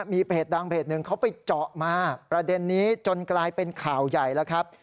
มีเพจดังเพจหนึ่งเขาไปเจาะมาประเด็นนี้จนกลายเป็นข่าวใหญ่แล้วครับ